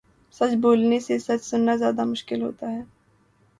سچ بولنے سے سچ سنا زیادہ مشکل ہوتا ہے